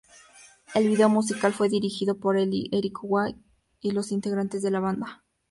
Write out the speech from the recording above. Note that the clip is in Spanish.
El vídeo musical fue dirigido por Eric White y los integrantes de la banda.